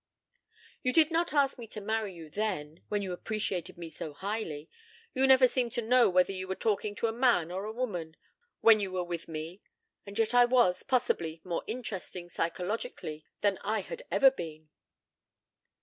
"You did not ask me to marry you then when you appreciated me so highly. You never seemed to know whether you were talking to a man or a woman when you were with me. And yet I was, possibly, more interesting psychologically than I had ever been."